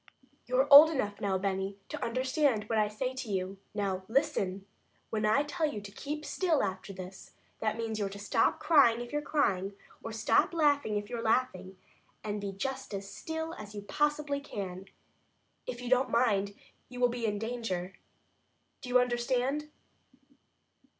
"You're old enough now, Benny, to understand what I say to you. Now, listen! When I tell you to keep still after this, that means you're to stop crying if you're crying, or stop laughing if you're laughing, and be just as still as you possibly can. If you don't mind, you will be in danger. Do you understand?"